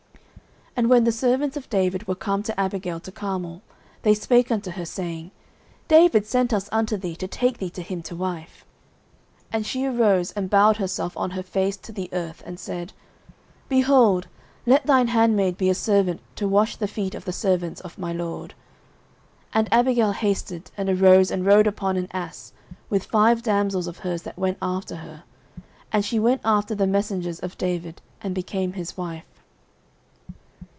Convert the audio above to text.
09:025:040 And when the servants of David were come to Abigail to Carmel, they spake unto her, saying, David sent us unto thee, to take thee to him to wife. 09:025:041 And she arose, and bowed herself on her face to the earth, and said, Behold, let thine handmaid be a servant to wash the feet of the servants of my lord. 09:025:042 And Abigail hasted, and arose and rode upon an ass, with five damsels of hers that went after her; and she went after the messengers of David, and became his wife.